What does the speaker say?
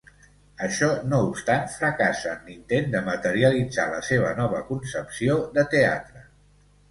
Això no obstant, fracassa en l'intent de materialitzar la seva nova concepció de teatre.